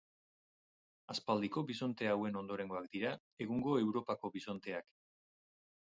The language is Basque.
Aspaldiko bisonte hauen ondorengoak dira egungo Europako bisonteak.